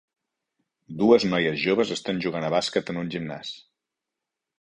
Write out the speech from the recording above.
Dues noies joves estan jugant a bàsquet en un gimnàs.